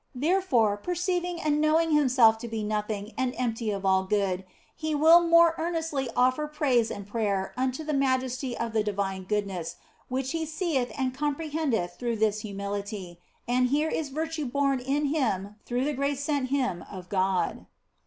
Therefore, perceiving and knowing himself to be nothing and empty of all good, he will more earnestly offer praise and prayer unto the majesty of the divine goodness which he seeth and comprehendeth through this humility, and here is virtue born in him through the grace sent him of God.